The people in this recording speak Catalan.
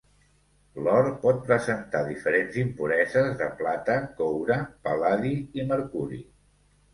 L'or pot presentar diferents impureses de plata, coure, pal·ladi i mercuri.